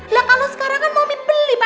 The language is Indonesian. lah kalau sekarang kan mau beli pak